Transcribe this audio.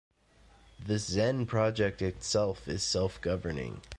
The Xen project itself is self-governing.